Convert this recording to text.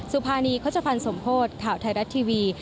สุภานีโฆษภัณฑ์สมโพธิ์ข่าวไทยรัฐทีวี